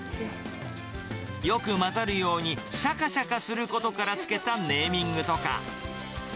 よく混ざるように、しゃかしゃかすることから付けたネーミングとか。